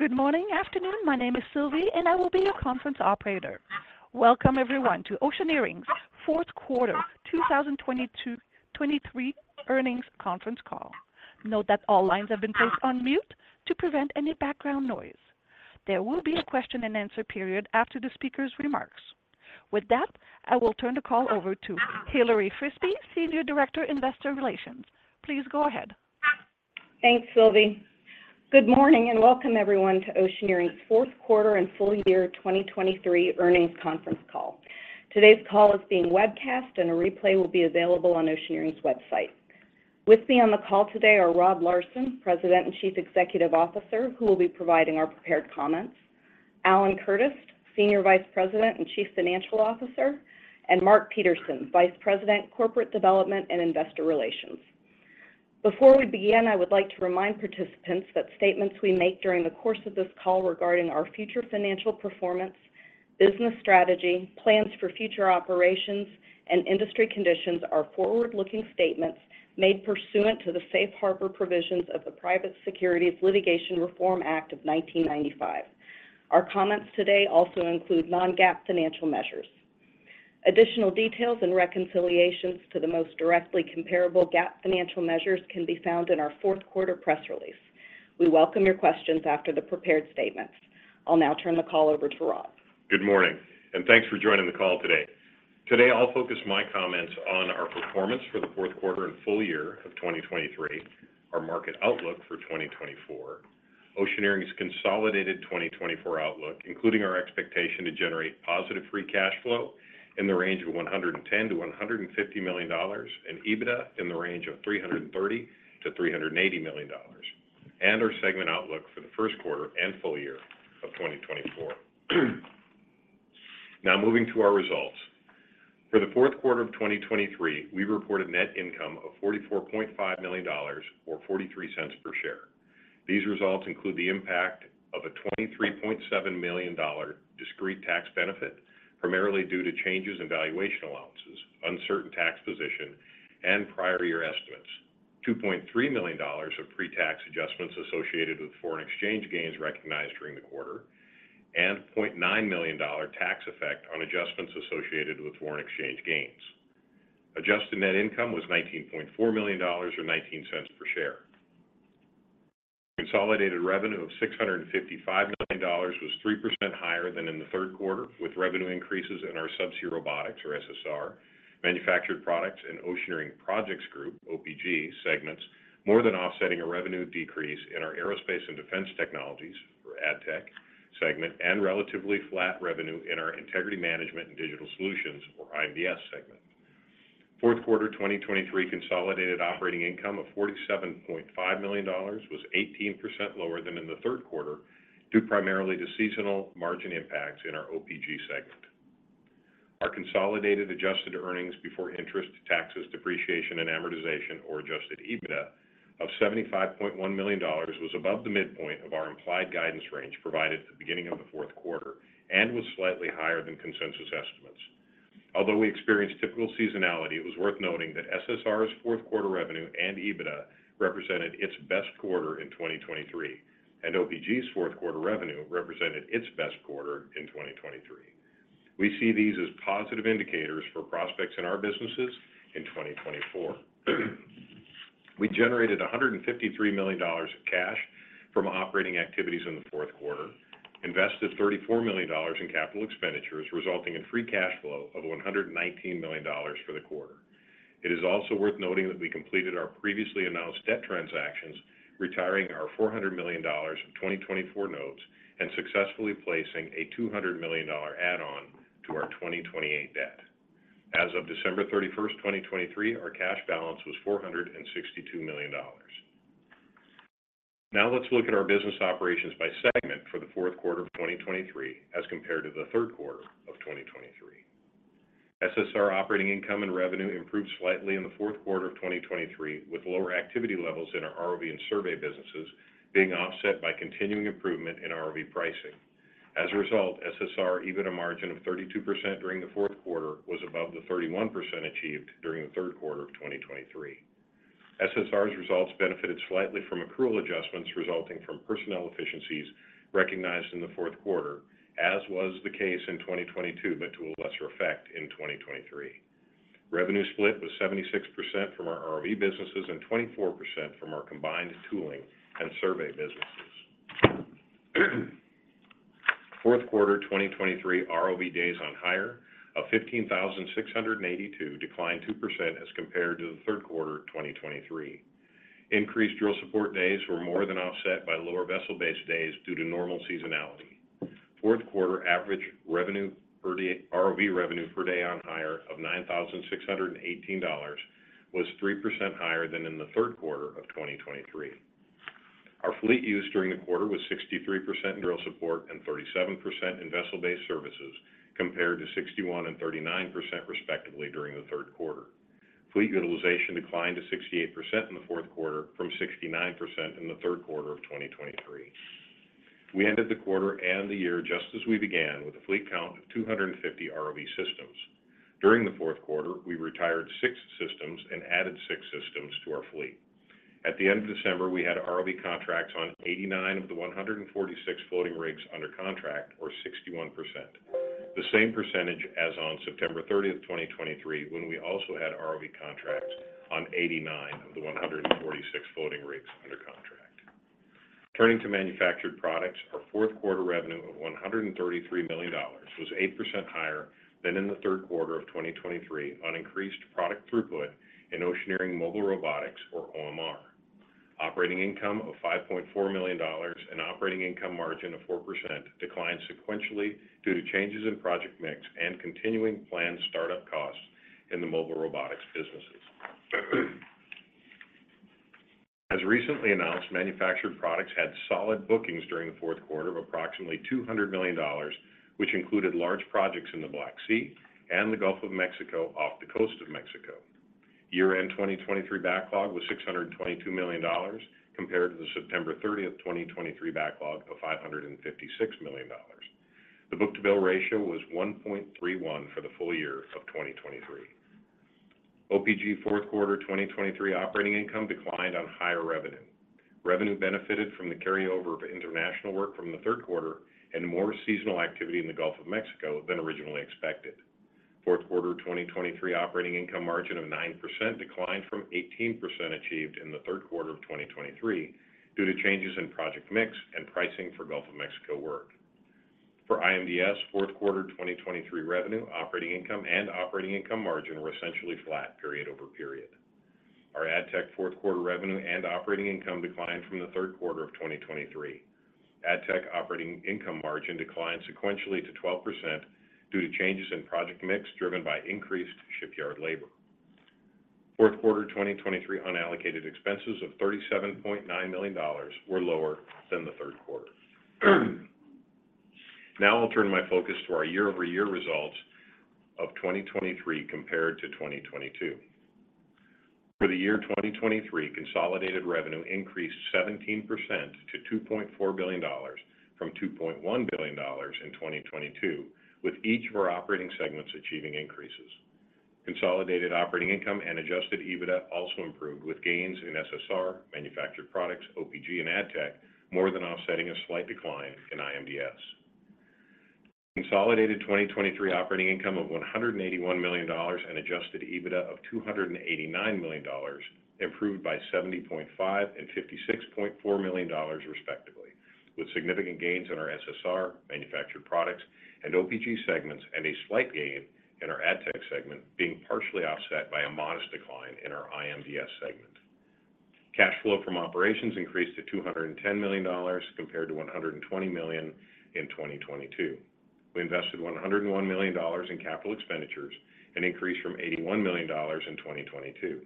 Good morning, afternoon. My name is Sylvie, and I will be your conference operator. Welcome, everyone, to Oceaneering's Fourth Quarter 2022-2023 Earnings Conference Call. Note that all lines have been placed on mute to prevent any background noise. There will be a question-and-answer period after the speaker's remarks. With that, I will turn the call over to Hilary Frisbie, Senior Director, Investor Relations. Please go ahead. Thanks, Sylvie. Good morning, and welcome everyone to Oceaneering's Fourth Quarter and Full Year 2023 Earnings Conference Call. Today's call is being webcast, and a replay will be available on Oceaneering's website. With me on the call today are Rod Larson, President and Chief Executive Officer, who will be providing our prepared comments, Alan Curtis, Senior Vice President and Chief Financial Officer, and Mark Peterson, Vice President, Corporate Development and Investor Relations. Before we begin, I would like to remind participants that statements we make during the course of this call regarding our future financial performance, business strategy, plans for future operations, and industry conditions are forward-looking statements made pursuant to the Safe Harbor provisions of the Private Securities Litigation Reform Act of 1995. Our comments today also include non-GAAP financial measures. Additional details and reconciliations to the most directly comparable GAAP financial measures can be found in our fourth quarter press release. We welcome your questions after the prepared statements. I'll now turn the call over to Rob. Good morning, and thanks for joining the call today. Today, I'll focus my comments on our performance for the fourth quarter and full year of 2023, our market outlook for 2024, Oceaneering's consolidated 2024 outlook, including our expectation to generate positive free cash flow in the range of $110 million-$150 million, and EBITDA in the range of $330 million-$380 million, and our segment outlook for the first quarter and full year of 2024. Now moving to our results. For the fourth quarter of 2023, we reported net income of $44.5 million, or $0.43 per share. These results include the impact of a $23.7 million discrete tax benefit, primarily due to changes in valuation allowances, uncertain tax position, and prior year estimates, $2.3 million of pre-tax adjustments associated with foreign exchange gains recognized during the quarter, and $0.9 million tax effect on adjustments associated with foreign exchange gains. Adjusted net income was $19.4 million or 19 cents per share. Consolidated revenue of $655 million was 3% higher than in the third quarter, with revenue increases in our Subsea Robotics, or SSR, Manufactured Products and Oceaneering Projects Group, OPG, segments, more than offsetting a revenue decrease in our Aerospace and Defense Technologies, or ADTech, segment and relatively flat revenue in our Integrity Management and Digital Solutions, or IMDS, segment. Fourth quarter 2023 consolidated operating income of $47.5 million was 18% lower than in the third quarter, due primarily to seasonal margin impacts in our OPG segment. Our consolidated adjusted earnings before interest, taxes, depreciation, and amortization, or adjusted EBITDA, of $75.1 million was above the midpoint of our implied guidance range provided at the beginning of the fourth quarter and was slightly higher than consensus estimates. Although we experienced typical seasonality, it was worth noting that SSR's fourth quarter revenue and EBITDA represented its best quarter in 2023, and OPG's fourth quarter revenue represented its best quarter in 2023. We see these as positive indicators for prospects in our businesses in 2024.We generated $153 million of cash from operating activities in the fourth quarter, invested $34 million in capital expenditures, resulting in free cash flow of $119 million for the quarter. It is also worth noting that we completed our previously announced debt transactions, retiring our $400 million of 2024 notes and successfully placing a $200 million add-on to our 2028 debt. As of December 31st, 2023, our cash balance was $462 million. Now let's look at our business operations by segment for the fourth quarter of 2023 as compared to the third quarter of 2023. SSR operating income and revenue improved slightly in the fourth quarter of 2023, with lower activity levels in our ROV and survey businesses being offset by continuing improvement in ROV pricing. As a result, SSR EBITDA margin of 32% during the fourth quarter was above the 31% achieved during the third quarter of 2023. SSR's results benefited slightly from accrual adjustments resulting from personnel efficiencies recognized in the fourth quarter, as was the case in 2022, but to a lesser effect in 2023. Revenue split was 76% from our ROV businesses and 24% from our combined tooling and survey businesses. Fourth quarter 2023 ROV days on hire of 15,682 declined 2% as compared to the third quarter 2023. Increased drill support days were more than offset by lower vessel base days due to normal seasonality. Fourth quarter average revenue per day, ROV revenue per day on hire of $9,618 was 3% higher than in the third quarter of 2023.Our fleet use during the quarter was 63% in drill support and 37% in vessel-based services, compared to 61% and 39% respectively during the third quarter. Fleet utilization declined to 68% in the fourth quarter from 69% in the third quarter of 2023. We ended the quarter and the year just as we began, with a fleet count of 250 ROV systems. During the fourth quarter, we retired six systems and added six systems to our fleet. At the end of December, we had ROV contracts on 89 of the 146 floating rigs under contract, or 61%. The same percentage as on September 30, 2023, when we also had ROV contracts on 89 of the 146 floating rigs under contract. Turning to Manufactured Products, our fourth quarter revenue of $133 million was 8% higher than in the third quarter of 2023 on increased product throughput in Oceaneering Mobile Robotics, or OMR. Operating income of $5.4 million and operating income margin of 4% declined sequentially due to changes in project mix and continuing planned startup costs in the mobile robotics businesses. As recently announced, Manufactured Products had solid bookings during the fourth quarter of approximately $200 million, which included large projects in the Black Sea and the Gulf of Mexico, off the coast of Mexico. Year-end 2023 backlog was $622 million, compared to the September 30th, 2023 backlog of $556 million. The book-to-bill ratio was 1.31 for the full year of 2023. OPG fourth quarter 2023 operating income declined on higher revenue. Revenue benefited from the carryover of international work from the third quarter and more seasonal activity in the Gulf of Mexico than originally expected. Fourth quarter 2023 operating income margin of 9% declined from 18% achieved in the third quarter of 2023, due to changes in project mix and pricing for Gulf of Mexico work. For IMDS, fourth quarter 2023 revenue, operating income, and operating income margin were essentially flat period over period. Our ADTech fourth quarter revenue and operating income declined from the third quarter of 2023. ADTech operating income margin declined sequentially to 12% due to changes in project mix, driven by increased shipyard labor. Fourth quarter 2023 unallocated expenses of $37.9 million were lower than the third quarter. Now I'll turn my focus to our year-over-year results of 2023 compared to 2022. For the year 2023, consolidated revenue increased 17% to $2.4 billion from $2.1 billion in 2022, with each of our operating segments achieving increases. Consolidated operating income and Adjusted EBITDA also improved, with gains in SSR, Manufactured Products, OPG, and ADTech, more than offsetting a slight decline in IMDS. Consolidated 2023 operating income of $181 million and Adjusted EBITDA of $289 million improved by $70.5 million and $56.4 million, respectively, with significant gains in our SSR, Manufactured Products, and OPG segments, and a slight gain in our ADTech segment, being partially offset by a modest decline in our IMDS segment. Cash flow from operations increased to $210 million, compared to $120 million in 2022. We invested $101 million in capital expenditures, an increase from $81 million in 2022. For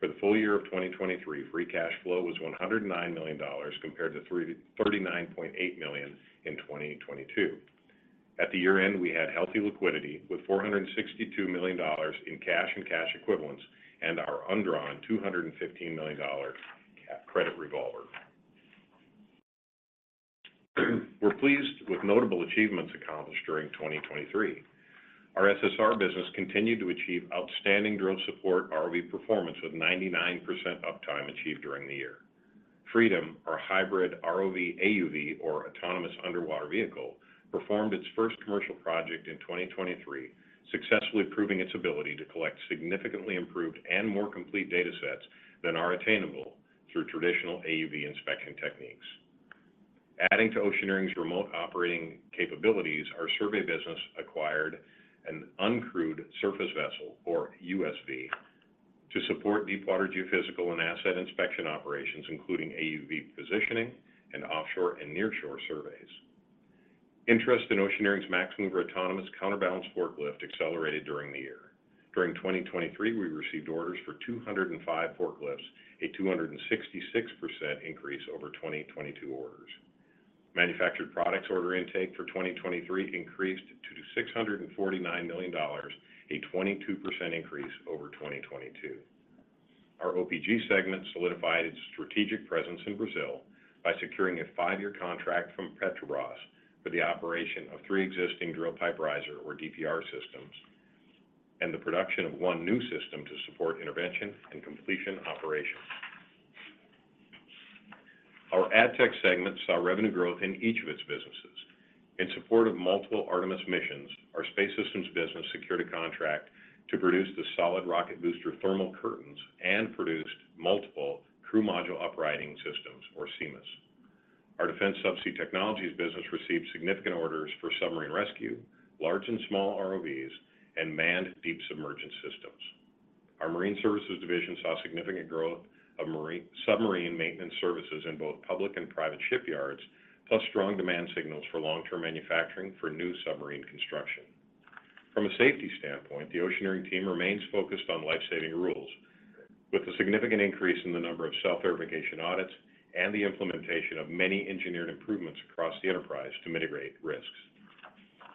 the full year of 2023, free cash flow was $109 million, compared to $339.8 million in 2022. At the year-end, we had healthy liquidity with $462 million in cash and cash equivalents, and our undrawn $215 million cap credit revolver. We're pleased with notable achievements accomplished during 2023. Our SSR business continued to achieve outstanding drill support ROV performance, with 99% uptime achieved during the year. Freedom, our hybrid ROV AUV, or autonomous underwater vehicle, performed its first commercial project in 2023, successfully proving its ability to collect significantly improved and more complete data sets than are attainable through traditional AUV inspection techniques. Adding to Oceaneering's remote operating capabilities, our survey business acquired an uncrewed surface vessel, or USV, to support deepwater geophysical and asset inspection operations, including AUV positioning and offshore and nearshore surveys. Interest in Oceaneering's MaxMover autonomous counterbalance forklift accelerated during the year. During 2023, we received orders for 205 forklifts, a 266% increase over 2022 orders. Manufactured Products order intake for 2023 increased to $649 million, a 22% increase over 2022.Our OPG segment solidified its strategic presence in Brazil by securing a five year contract from Petrobras for the operation of 3 existing drill pipe riser, or DPR, systems, and the production of one new system to support intervention and completion operations. Our ADTech segment saw revenue growth in each of its businesses. In support of multiple Artemis missions, our space systems business secured a contract to produce the solid rocket booster thermal curtains and produced multiple crew module uprighting systems, or CMUS. Our Defense Subsea Technologies business received significant orders for submarine rescue, large and small ROVs, and manned deep submergence systems. Our marine services division saw significant growth of marine-submarine maintenance services in both public and private shipyards, plus strong demand signals for long-term manufacturing for new submarine construction. From a safety standpoint, the Oceaneering team remains focused on life-saving rules, with a significant increase in the number of self-verification audits and the implementation of many engineered improvements across the enterprise to mitigate risks.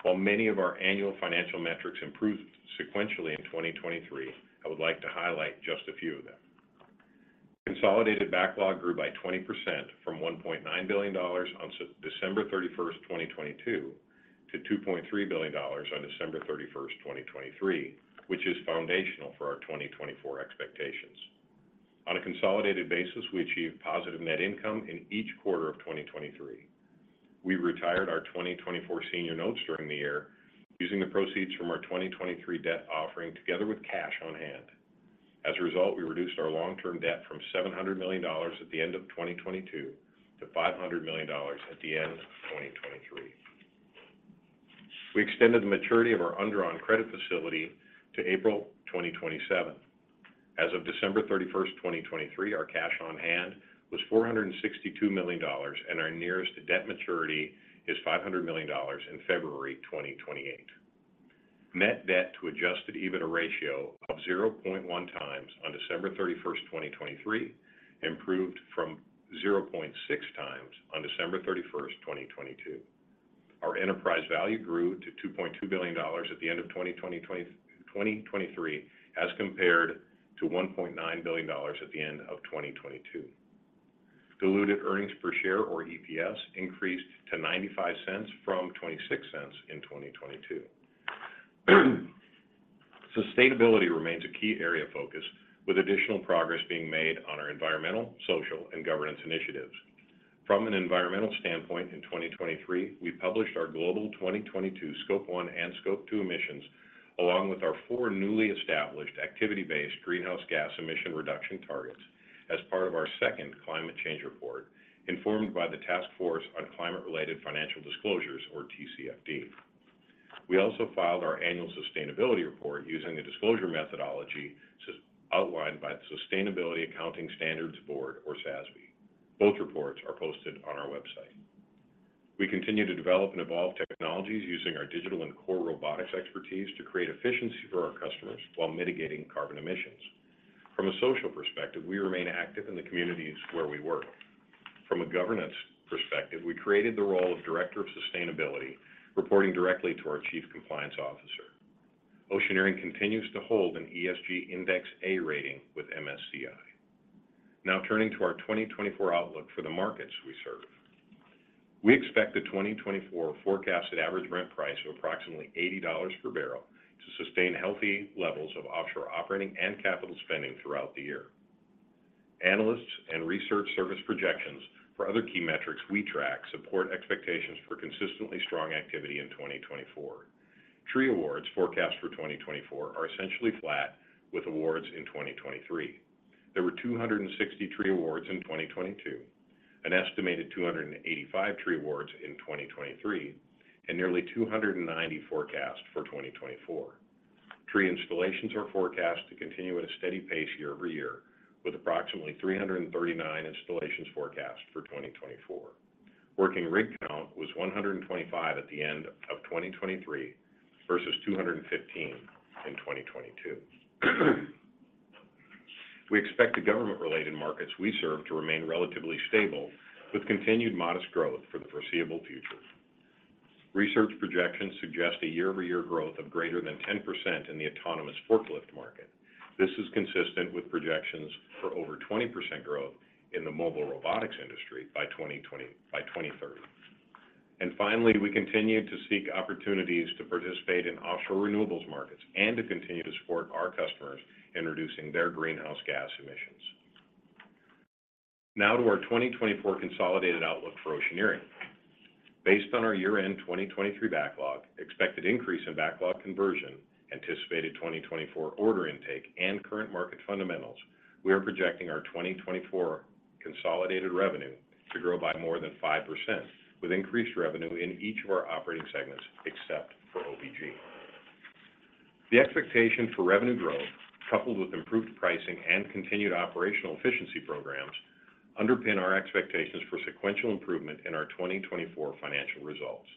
While many of our annual financial metrics improved sequentially in 2023, I would like to highlight just a few of them. Consolidated backlog grew by 20% from $1.9 billion on December 31, 2022, to $2.3 billion on December 31, 2023, which is foundational for our 2024 expectations. On a consolidated basis, we achieved positive net income in each quarter of 2023. We retired our 2024 senior notes during the year, using the proceeds from our 2023 debt offering together with cash on hand. As a result, we reduced our long-term debt from $700 million at the end of 2022, to $500 million at the end of 2023. We extended the maturity of our undrawn credit facility to April 2027. As of December 31, 2023, our cash on hand was $462 million, and our nearest debt maturity is $500 million in February 2028. Net debt to Adjusted EBITDA ratio of 0.1x on December 31, 2023, improved from 0.6x on December 31, 2022. Our enterprise value grew to $2.2 billion at the end of 2023, as compared to $1.9 billion at the end of 2022. Diluted earnings per share, or EPS, increased to $0.95 from $0.26 in 2022. Sustainability remains a key area of focus, with additional progress being made on our environmental, social, and governance initiatives. From an environmental standpoint, in 2023, we published our global 2022 Scope 1 and Scope 2 emissions, along with our four newly established activity-based greenhouse gas emission reduction targets as part of our second climate change report, informed by the Task Force on Climate-Related Financial Disclosures, or TCFD. We also filed our annual sustainability report using the disclosure methodology outlined by the Sustainability Accounting Standards Board, or SASB. Both reports are posted on our website. We continue to develop and evolve technologies using our digital and core robotics expertise to create efficiency for our customers while mitigating carbon emissions. From a social perspective, we remain active in the communities where we work. From a governance perspective, we created the role of Director of Sustainability, reporting directly to our Chief Compliance Officer. Oceaneering continues to hold an ESG Index A rating with MSCI. Now turning to our 2024 outlook for the markets we serve. We expect the 2024 forecasted average Brent price of approximately $80 per barrel to sustain healthy levels of offshore operating and capital spending throughout the year. Analysts and research service projections for other key metrics we track, support expectations for consistently strong activity in 2024. Tree Awards forecast for 2024 are essentially flat with awards in 2023. There were 260 tree Awards in 2022, an estimated 285 tree Awards in 2023, and nearly 290 forecast for 2024. Tree installations are forecast to continue at a steady pace year-over-year, with approximately 339 installations forecast for 2024. Working rig count was 125 at the end of 2023, versus 215 in 2022. We expect the government-related markets we serve to remain relatively stable, with continued modest growth for the foreseeable future. Research projections suggest a year-over-year growth of greater than 10% in the autonomous forklift market. This is consistent with projections for over 20% growth in the mobile robotics industry by 2030. And finally, we continue to seek opportunities to participate in offshore renewables markets and to continue to support our customers in reducing their greenhouse gas emissions. Now to our 2024 consolidated outlook for Oceaneering.Based on our year-end 2023 backlog, expected increase in backlog conversion, anticipated 2024 order intake, and current market fundamentals, we are projecting our 2024 consolidated revenue to grow by more than 5%, with increased revenue in each of our operating segments, except for OPG. The expectation for revenue growth, coupled with improved pricing and continued operational efficiency programs, underpin our expectations for sequential improvement in our 2024 financial results.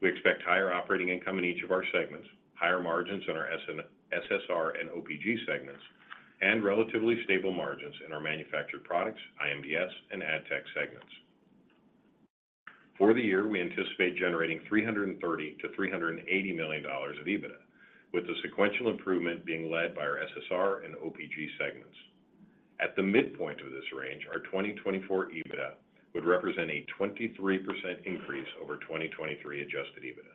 We expect higher operating income in each of our segments, higher margins in our SSR and OPG segments, and relatively stable margins in our manufactured products, IMDS, and ADTech segments. For the year, we anticipate generating $330 million-$380 million of EBITDA, with the sequential improvement being led by our SSR and OPG segments. At the midpoint of this range, our 2024 EBITDA would represent a 23% increase over 2023 adjusted EBITDA.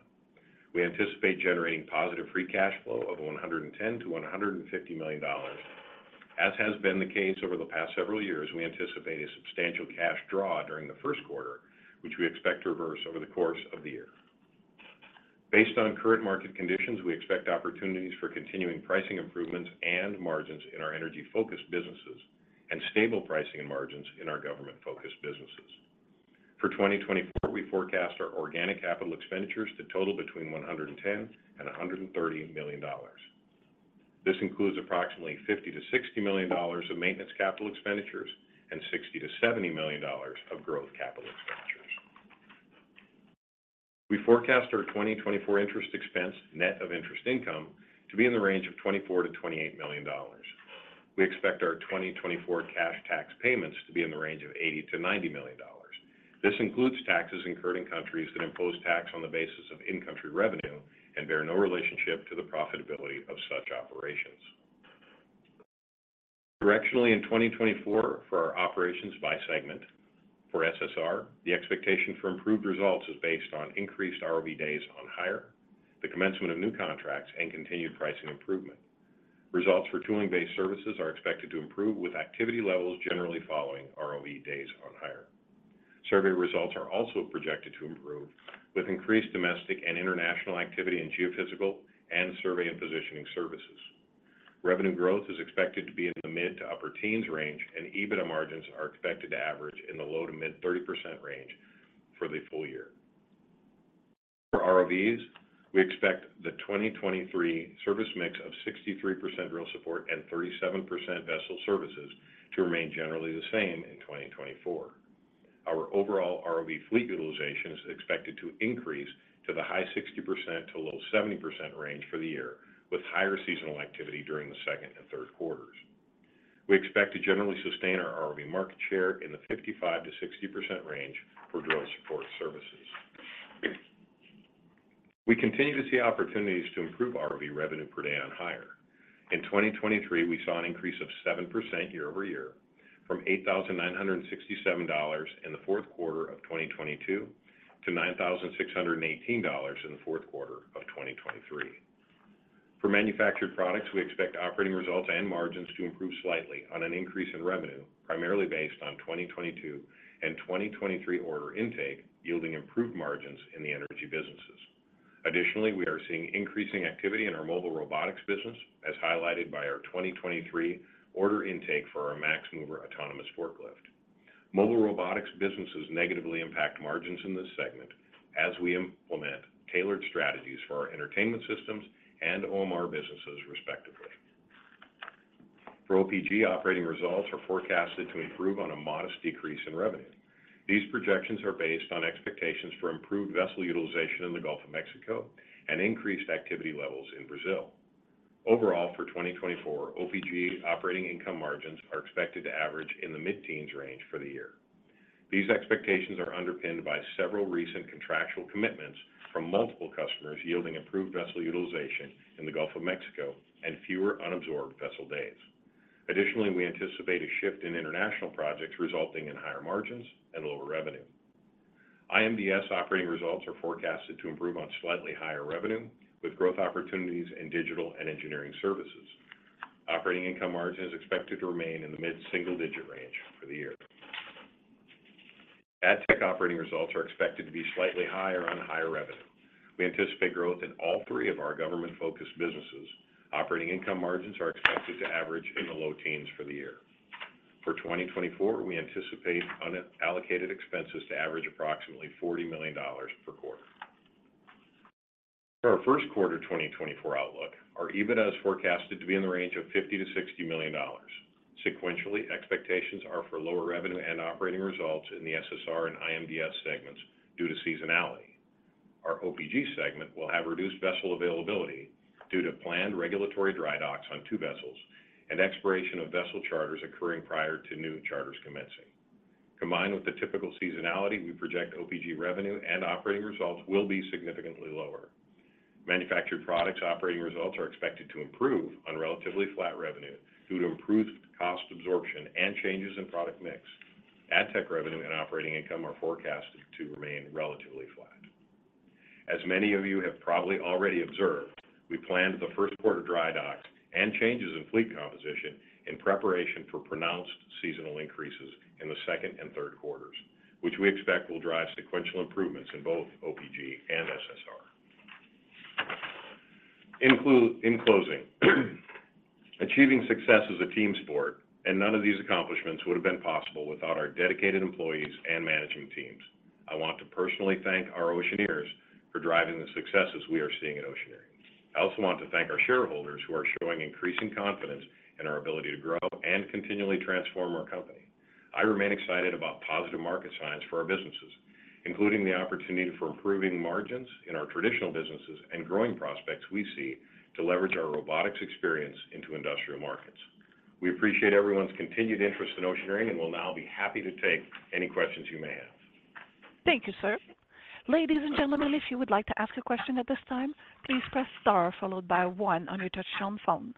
We anticipate generating positive free cash flow of $110 million-$150 million. As has been the case over the past several years, we anticipate a substantial cash draw during the first quarter, which we expect to reverse over the course of the year. Based on current market conditions, we expect opportunities for continuing pricing improvements and margins in our energy-focused businesses, and stable pricing and margins in our government-focused businesses. For 2024, we forecast our organic capital expenditures to total between $110 million and $130 million. This includes approximately $50 million-$60 million of maintenance capital expenditures and $60 million-$70 million of growth capital expenditures. We forecast our 2024 interest expense, net of interest income, to be in the range of $24 million-$28 million. We expect our 2024 cash tax payments to be in the range of $80 million-$90 million. This includes taxes incurred in countries that impose tax on the basis of in-country revenue and bear no relationship to the profitability of such operations. Directionally, in 2024 for our operations by segment, for SSR, the expectation for improved results is based on increased ROV days on hire, the commencement of new contracts, and continued pricing improvement. Results for tooling-based services are expected to improve with activity levels, generally following ROV days on hire. Survey results are also projected to improve, with increased domestic and international activity in geophysical and survey and positioning services. Revenue growth is expected to be in the mid- to upper-teens range, and EBITDA margins are expected to average in the low- to mid-30% range for the full year. For ROVs, we expect the 2023 service mix of 63% drill support and 37% vessel services to remain generally the same in 2024. Our overall ROV fleet utilization is expected to increase to the high 60%-low 70% range for the year, with higher seasonal activity during the second and third quarters. We expect to generally sustain our ROV market share in the 55%-60% range for drill support services. We continue to see opportunities to improve ROV revenue per day on hire.In 2023, we saw an increase of 7% year-over-year, from $8,967 in the fourth quarter of 2022 to $9,618 in the fourth quarter of 2023. For Manufactured Products, we expect operating results and margins to improve slightly on an increase in revenue, primarily based on 2022 and 2023 order intake, yielding improved margins in the energy businesses. Additionally, we are seeing increasing activity in our mobile robotics business, as highlighted by our 2023 order intake for our MaxMover autonomous forklift. Mobile robotics businesses negatively impact margins in this segment as we implement tailored strategies for our entertainment systems and OMR businesses, respectively. For OPG, operating results are forecasted to improve on a modest decrease in revenue. These projections are based on expectations for improved vessel utilization in the Gulf of Mexico and increased activity levels in Brazil. Overall, for 2024, OPG operating income margins are expected to average in the mid-teens range for the year. These expectations are underpinned by several recent contractual commitments from multiple customers, yielding improved vessel utilization in the Gulf of Mexico and fewer unabsorbed vessel days. Additionally, we anticipate a shift in international projects, resulting in higher margins and lower revenue. IMDS operating results are forecasted to improve on slightly higher revenue, with growth opportunities in digital and engineering services. Operating income margin is expected to remain in the mid-single digit range for the year. ADTech operating results are expected to be slightly higher on higher revenue. We anticipate growth in all three of our government-focused businesses. Operating income margins are expected to average in the low teens for the year. For 2024, we anticipate unallocated expenses to average approximately $40 million per quarter. For our first quarter 2024 outlook, our EBITDA is forecasted to be in the range of $50 million-$60 million. Sequentially, expectations are for lower revenue and operating results in the SSR and IMDS segments due to seasonality. Our OPG segment will have reduced vessel availability due to planned regulatory dry docks on two vessels and expiration of vessel charters occurring prior to new charters commencing. Combined with the typical seasonality, we project OPG revenue and operating results will be significantly lower. Manufactured Products operating results are expected to improve on relatively flat revenue due to improved cost absorption and changes in product mix. ADTech revenue and operating income are forecasted to remain relatively flat. As many of you have probably already observed, we planned the first quarter dry docks and changes in fleet composition in preparation for pronounced seasonal increases in the second and third quarters, which we expect will drive sequential improvements in both OPG and SSR. In closing, achieving success is a team sport, and none of these accomplishments would have been possible without our dedicated employees and managing teams. I want to personally thank our Oceaneers for driving the successes we are seeing at Oceaneering. I also want to thank our shareholders, who are showing increasing confidence in our ability to grow and continually transform our company. I remain excited about positive market signs for our businesses, including the opportunity for improving margins in our traditional businesses and growing prospects we see to leverage our robotics experience into industrial markets. We appreciate everyone's continued interest in Oceaneering and will now be happy to take any questions you may have. Thank you, sir. Ladies and gentlemen, if you would like to ask a question at this time, please press star followed by one on your touchtone phone.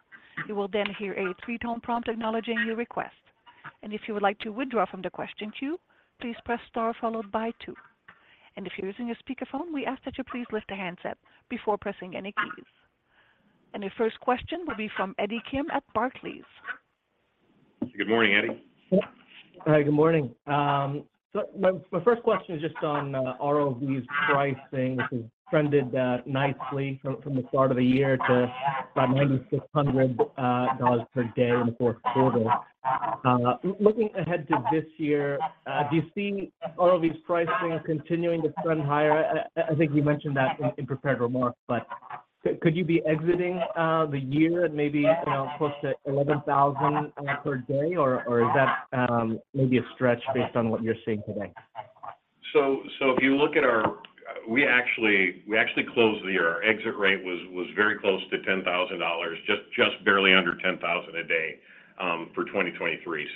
You will then hear a three-tone prompt acknowledging your request. If you would like to withdraw from the question queue, please press star followed by two. If you're using a speakerphone, we ask that you please lift the handset before pressing any keys. Your first question will be from Eddie Kim at Barclays. Good morning, Eddie. Hi, good morning. So my first question is just on ROVs pricing, which has trended nicely from the start of the year to about $9,600 per day in the fourth quarter. Looking ahead to this year, do you see ROVs pricing continuing to trend higher? I think you mentioned that in prepared remarks, but could you be exiting the year at maybe, you know, close to $11,000 per day, or is that maybe a stretch based on what you're seeing today? We actually closed the year. Our exit rate was very close to $10,000, just barely under $10,000 a day, for 2023.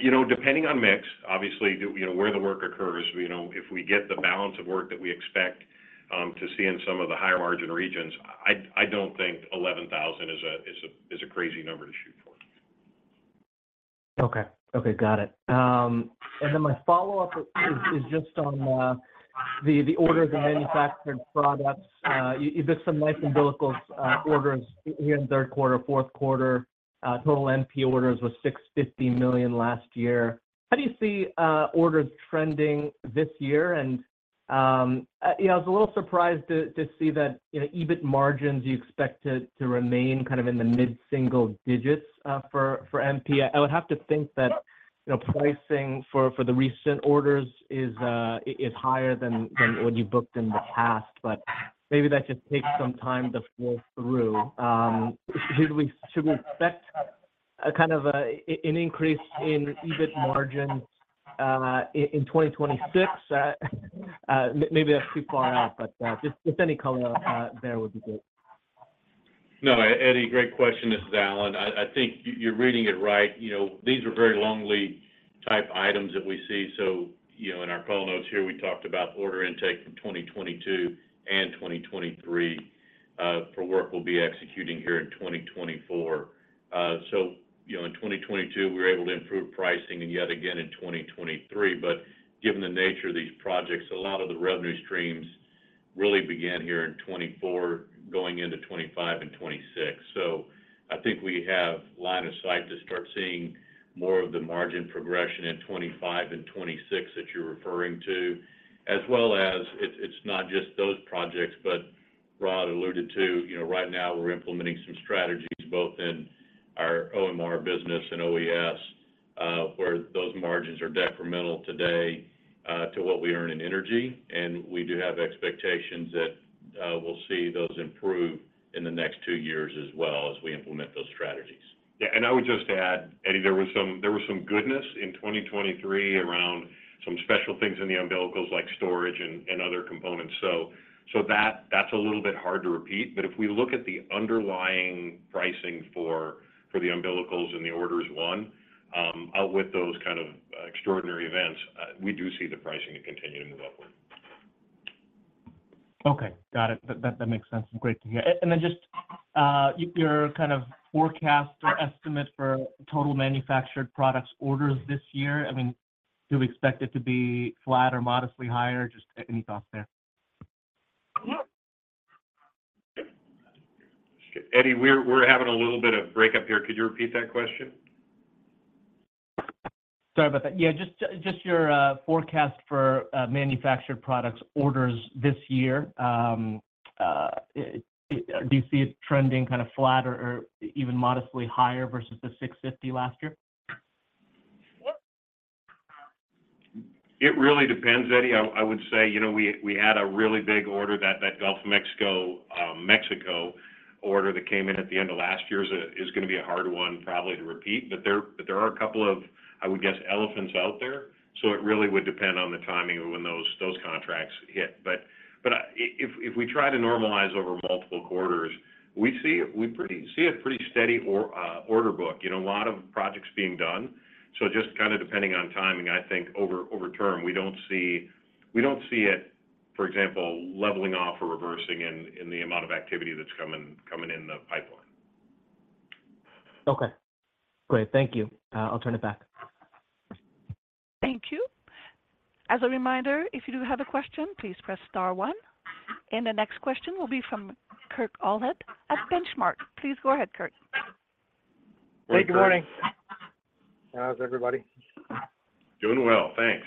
You know, depending on mix, obviously, you know, where the work occurs, you know, if we get the balance of work that we expect to see in some of the higher margin regions, I don't think $11,000 is a crazy number to shoot for. Okay. Okay, got it. And then my follow-up is just on the order of the Manufactured Products. You did some nice umbilicals orders here in the third quarter, fourth quarter. Total MP orders was $650 million last year. How do you see orders trending this year? And you know, I was a little surprised to see that, you know, EBIT margins you expect to remain kind of in the mid-single digits for MP. I would have to think that, you know, pricing for the recent orders is higher than what you booked in the past, but maybe that just takes some time to pull through. Should we expect a kind of an increase in EBIT margins in 2026?Maybe that's too far out, but just if any color there would be good. No, Eddie, great question. This is Alan. I think you, you're reading it right. You know, these are very long lead type items that we see. So, you know, in our call notes here, we talked about order intake from 2022 and 2023 for work we'll be executing here in 2024. So, you know, in 2022, we were able to improve pricing and yet again in 2023. But given the nature of these projects, a lot of the revenue streams really began here in 2024, going into 2025 and 2026. So I think we have line of sight to start seeing more of the margin progression in 2025 and 2026 that you're referring to. As well as, it's not just those projects, but Rod alluded to, you know, right now we're implementing some strategies both in our OMR business and OES, where those margins are detrimental today, to what we earn in energy, and we do have expectations that we'll see those improve in the next two years as well as we implement those strategies. Yeah, and I would just add, Eddie, there was some, there was some goodness in 2023 around some special things in the umbilicals, like storage and, and other components. So, so that's a little bit hard to repeat. But if we look at the underlying pricing for, for the umbilicals and the orders won, out with those kind of, extraordinary events, we do see the pricing to continue to move upward. Okay. Got it. That, that makes sense. Great to hear. And then just, your kind of forecast or estimate for total manufactured products orders this year. I mean, do we expect it to be flat or modestly higher? Just any thoughts there. Eddie, we're having a little bit of break up here. Could you repeat that question? Sorry about that. Yeah, just your forecast for Manufactured Products orders this year. Do you see it trending kind of flat or even modestly higher versus the $650 last year? It really depends, Eddie. I would say, you know, we had a really big order, that Gulf of Mexico, Mexico order that came in at the end of last year is gonna be a hard one probably to repeat. But there are a couple of, I would guess, elephants out there, so it really would depend on the timing of when those contracts hit. But if we try to normalize over multiple quarters, we see a pretty steady order book, you know, a lot of projects being done. So just kinda depending on timing, I think over term, we don't see it, for example, leveling off or reversing in the amount of activity that's coming in the pipeline. Okay. Great. Thank you. I'll turn it back. Thank you. As a reminder, if you do have a question, please press star one, and the next question will be from Kurt Hallead at Benchmark. Please go ahead, Kurt. Hey, good morning. How's everybody? Doing well, thanks.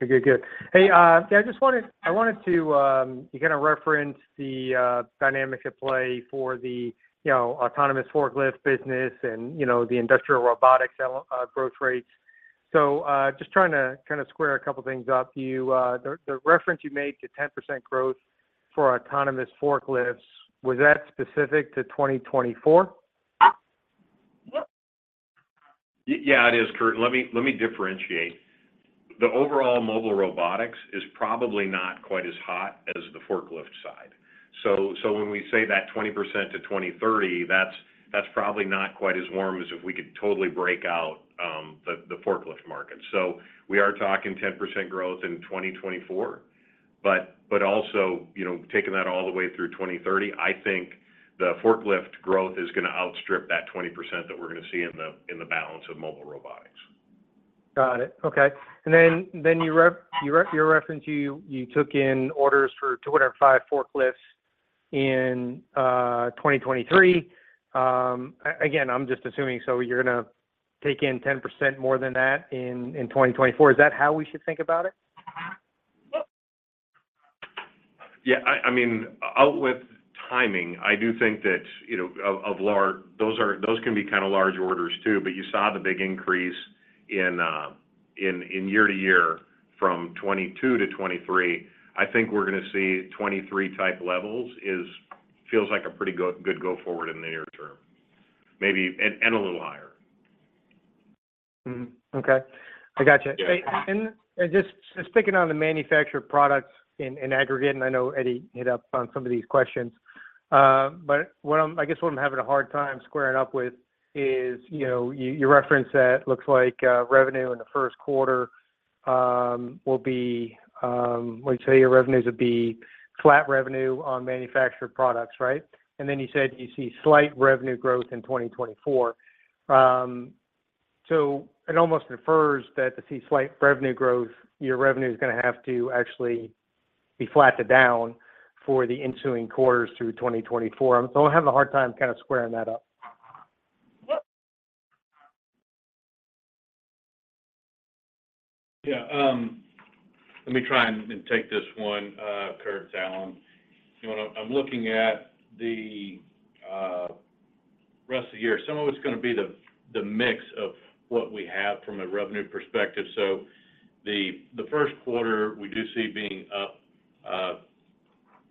Good, good, good. Hey, I just wanted, I wanted to kind of reference the dynamics at play for the, you know, autonomous forklift business and, you know, the industrial robotics growth rates. So, just trying to kinda square a couple of things up, you... The, the reference you made to 10% growth for autonomous forklifts, was that specific to 2024? Yeah, it is, Kurt. Let me differentiate. The overall mobile robotics is probably not quite as hot as the forklift side. So when we say that 20% to 2030, that's probably not quite as warm as if we could totally break out the forklift market. So we are talking 10% growth in 2024, but also, you know, taking that all the way through 2030, I think the forklift growth is gonna outstrip that 20% that we're gonna see in the balance of mobile robotics. Got it. Okay. And then, your reference, you took in orders for 205 forklifts in 2023. Again, I'm just assuming, so you're gonna take in 10% more than that in 2024. Is that how we should think about it? Yeah, I mean, without timing, I do think that, you know, those can be kind of large orders too, but you saw the big increase in year-to-year from 2022 to 2023. I think we're gonna see 2023-type levels. It feels like a pretty good go-forward in the near term, maybe, and a little higher.... Mm-hmm. Okay, I got you. Hey, and just sticking on the Manufactured Products in aggregate, and I know Eddie hit up on some of these questions. But what I'm, I guess what I'm having a hard time squaring up with is, you know, you referenced that it looks like revenue in the first quarter will be, let me say, your revenues will be flat revenue on Manufactured Products, right? And then you said you see slight revenue growth in 2024. So it almost infers that to see slight revenue growth, your revenue is gonna have to actually be flat to down for the ensuing quarters through 2024. So I'm having a hard time kind of squaring that up. Yeah, let me try and take this one, Kurt Hallead. You know what? I'm looking at the rest of the year. Some of it's gonna be the mix of what we have from a revenue perspective. So the first quarter, we do see being up,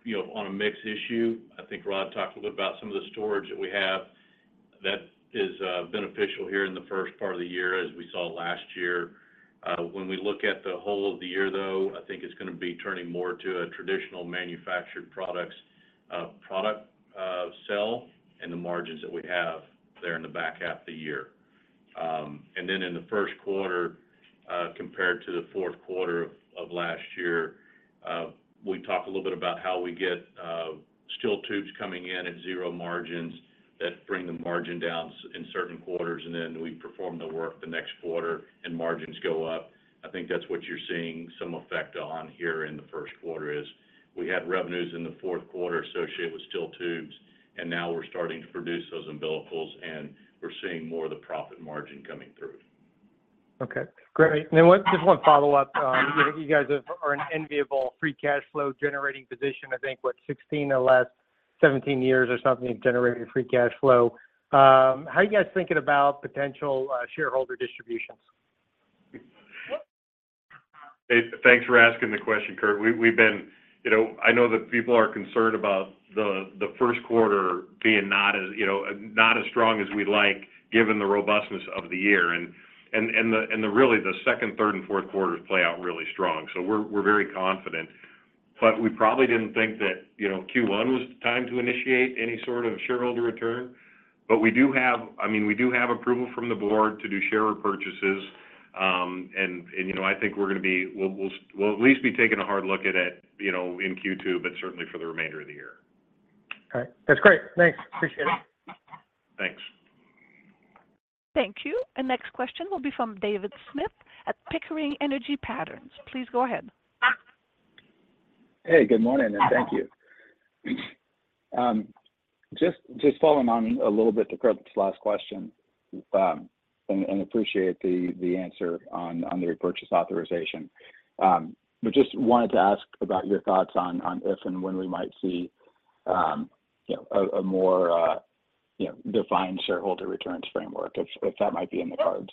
you know, on a mix issue. I think Rod talked a little bit about some of the storage that we have. That is beneficial here in the first part of the year, as we saw last year. When we look at the whole of the year, though, I think it's gonna be turning more to a traditional Manufactured Products product sell, and the margins that we have there in the back half of the year. And then in the first quarter, compared to the fourth quarter of last year, we talked a little bit about how we get steel tubes coming in at zero margins that bring the margin down in certain quarters, and then we perform the work the next quarter, and margins go up. I think that's what you're seeing some effect on here in the first quarter, is we had revenues in the fourth quarter associated with steel tubes, and now we're starting to produce those umbilicals, and we're seeing more of the profit margin coming through. Okay, great. Then one, just one follow-up. You know, you guys are an enviable Free Cash Flow generating position. I think, what, 16 or last 17 years or something, you've generated Free Cash Flow. How are you guys thinking about potential shareholder distributions? Thanks, thanks for asking the question, Kurt. We've been... You know, I know that people are concerned about the first quarter being not as, you know, not as strong as we'd like, given the robustness of the year. And the really, the second, third, and fourth quarters play out really strong, so we're very confident. But we probably didn't think that, you know, Q1 was the time to initiate any sort of shareholder return. But we do have. I mean, we do have approval from the board to do share repurchases. And, you know, I think we're gonna be, we'll at least be taking a hard look at it, you know, in Q2, but certainly for the remainder of the year. All right. That's great. Thanks. Appreciate it. Thanks. Thank you. Next question will be from David Smith at Pickering Energy Partners. Please go ahead. Hey, good morning, and thank you. Just following on a little bit to Kurt's last question, and appreciate the answer on the repurchase authorization. But just wanted to ask about your thoughts on if and when we might see, you know, a more defined shareholder returns framework, if that might be in the cards.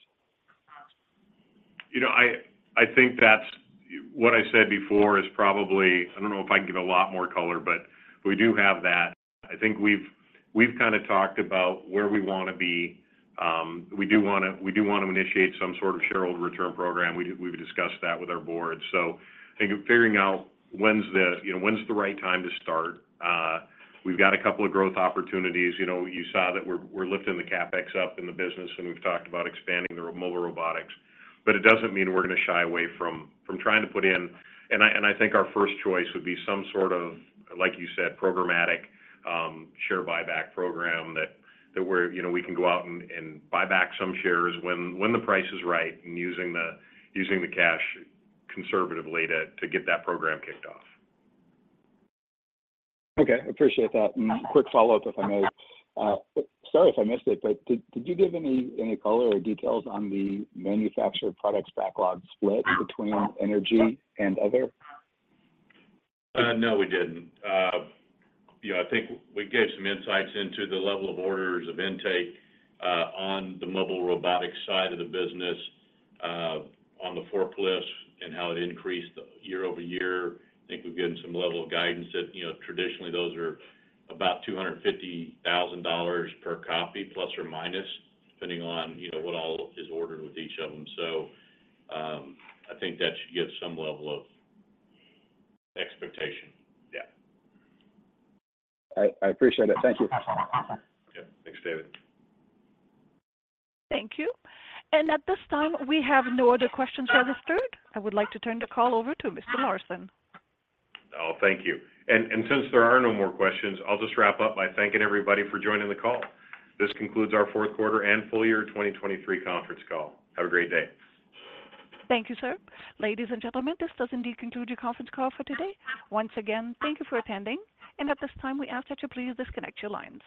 You know, I think that's what I said before is probably... I don't know if I can give a lot more color, but we do have that. I think we've kind of talked about where we want to be. We do wanna, we do want to initiate some sort of shareholder return program. We've discussed that with our board. So I think figuring out when's the you know when's the right time to start. We've got a couple of growth opportunities. You know, you saw that we're lifting the CapEx up in the business, and we've talked about expanding the mobile robotics. But it doesn't mean we're gonna shy away from trying to put in... I think our first choice would be some sort of, like you said, programmatic share buyback program that we're—you know, we can go out and buy back some shares when the price is right, and using the cash conservatively to get that program kicked off. Okay, appreciate that. And quick follow-up, if I may. Sorry if I missed it, but did you give any color or details on the Manufactured Products backlog split between energy and other? No, we didn't. You know, I think we gave some insights into the level of orders of intake on the mobile robotics side of the business, on the forklifts and how it increased year-over-year. I think we've given some level of guidance that, you know, traditionally those are about $250,000 per copy, plus or minus, depending on, you know, what all is ordered with each of them. So, I think that should give some level of expectation. Yeah. I appreciate it. Thank you. Yeah. Thanks, David. Thank you. At this time, we have no other questions registered. I would like to turn the call over to Mr. Larson. Oh, thank you. Since there are no more questions, I'll just wrap up by thanking everybody for joining the call. This concludes our Fourth Quarter And Full Year 2023 Conference Call. Have a great day. Thank you, sir. Ladies and gentlemen, this does indeed conclude your conference call for today. Once again, thank you for attending, and at this time, we ask that you please disconnect your lines.